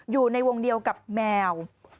อยู่ในวงเดียวกับแมว